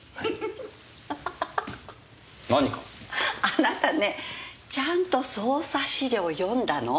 あなたねちゃんと捜査資料読んだの？